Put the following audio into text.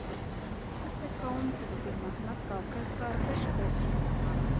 هڅه کوم د پیر محمد کاکړ کار بشپړ شي.